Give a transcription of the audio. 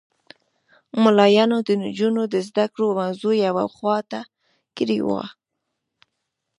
ملایانو د نجونو د زده کړو موضوع یوه خوا ته کړې وه.